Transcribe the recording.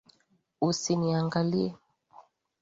Usiniangalie!